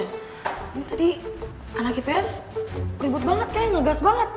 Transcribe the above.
ini tadi anak ips ribut banget kayaknya nyogas banget